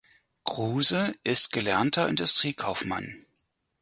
Kruse ist gelernter Industriekaufmann.